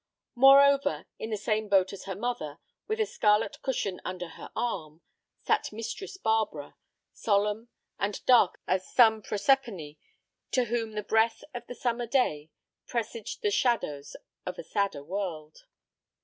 Moreover, in the same boat as her mother, with a scarlet cushion under her arm, sat Mistress Barbara, solemn, and dark as some Proserpine to whom the breath of the summer day presaged the shadows of a sadder world.